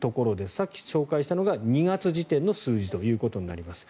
さっき紹介したのが２月時点の数字となります。